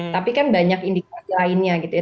tapi kan banyak indikasi lainnya gitu ya